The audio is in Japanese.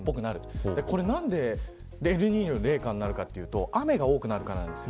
なんでエルニーニョで冷夏になるかというと雨が多くなるからなんです。